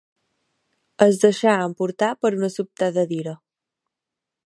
Es deixà emportar per una sobtada d'ira.